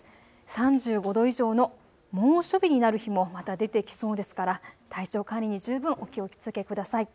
３５度以上の猛暑日になる日もまた出てきそうですから体調管理に十分お気をつけください。